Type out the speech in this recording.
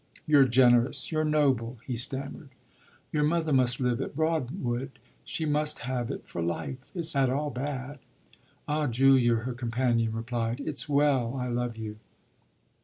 "You're generous you're noble," he stammered. "Your mother must live at Broadwood; she must have it for life. It's not at all bad." "Ah Julia," her companion replied, "it's well I love you!"